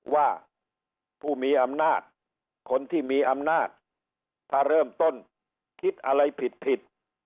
ว่าผู้มีอำนาจคนที่มีอำนาจถ้าเริ่มต้นคิดอะไรผิดผิด